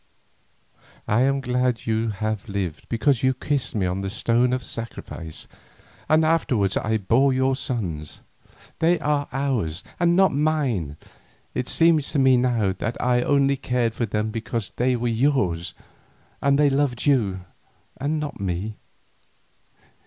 I am glad to have lived because you kissed me on the stone of sacrifice, and afterwards I bore you sons. They are yours and not mine; it seems to me now that I only cared for them because they were yours, and they loved you and not me.